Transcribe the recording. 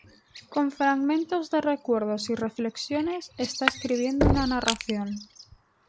Con fragmentos de recuerdos y reflexiones está escribiendo una narración.